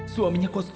suaminya kos tua itu